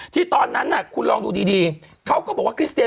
ตอนนั้นคุณลองดูดีเขาก็บอกว่าคริสเตีย